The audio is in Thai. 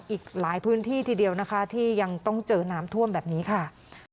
อีกหลายพื้นที่ทีเดียวนะคะที่ยังต้องเจอน้ำท่วมแบบนี้ค่ะ